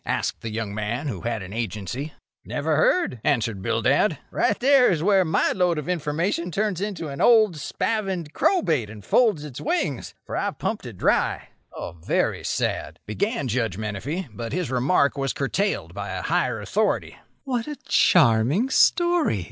asked the young man who had an Agency. "Never heard," answered Bildad. "Right there is where my lode of information turns to an old spavined crowbait, and folds its wings, for I've pumped it dry." "A very sad—" began Judge Menefee, but his remark was curtailed by a higher authority. "What a charming story!"